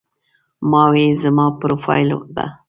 ما وې زما پروفائيل به